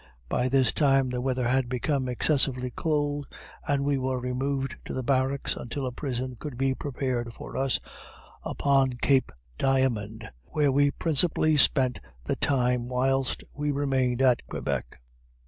By this time the weather had become excessively cold, and we were removed to the barracks until a prison could be prepared for us upon cape Diamond, where we principally spent the time whilst we remained at Quebec.